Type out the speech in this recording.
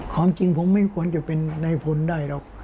ความจริงผมไม่ควรจะเป็นในพลได้หรอก